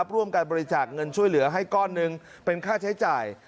ร่วมการบริจาคเงินช่วยเหลือให้ก้อนหนึ่งเป็นค่าใช้จ่าย